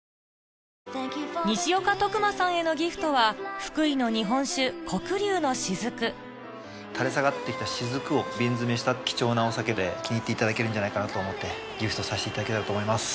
西岡馬さんへのギフトは福井の日本酒黒龍のしずく垂れ下がって来たしずくを瓶詰めした貴重なお酒で気に入っていただけるんじゃないかなと思ってギフトさせていただければと思います。